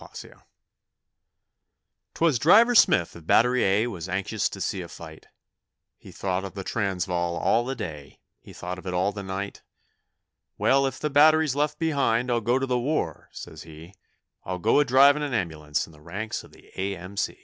Driver Smith 'Twas Driver Smith of Battery A was anxious to see a fight; He thought of the Transvaal all the day, he thought of it all the night 'Well, if the battery's left behind, I'll go to the war,' says he, 'I'll go a driving an ambulance in the ranks of the A.M.